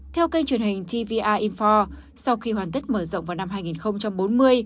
theo kênh truyền hình tva infor sau khi hoàn tất mở rộng vào năm hai nghìn bốn mươi